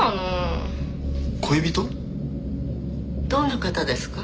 どんな方ですか？